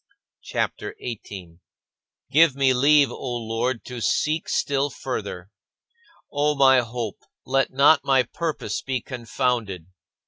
CHAPTER XVIII 23. Give me leave, O Lord, to seek still further. O my Hope, let not my purpose be confounded.